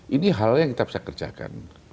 ini hal hal yang kita bisa kerjakan